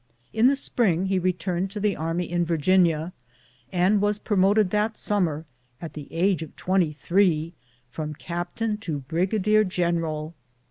In the spring he returned to the army in Virginia, and was promoted that summer, at the age of twenty three, from captain to brigadier general.